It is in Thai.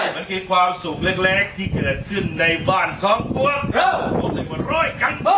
มันคือความสุขเล็กที่เกิดขึ้นในบ้านครองปวง